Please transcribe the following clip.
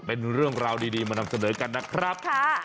เป็นเรื่องราวดีมานำเสนอกันนะครับ